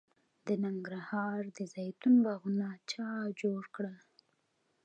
د ننګرهار د زیتون باغونه چا جوړ کړل؟